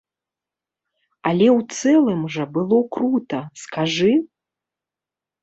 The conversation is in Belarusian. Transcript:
Але ў цэлым жа было крута, скажы?